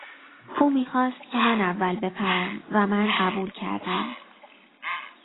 او میخواست که من اول بپرم و من قبول کردم.